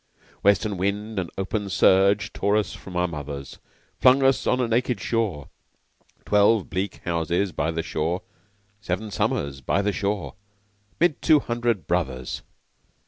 Western wind and open surge Tore us from our mothers; Flung us on a naked shore (Twelve bleak houses by the shore! Seven summers by the shore!) 'Mid two hundred brothers.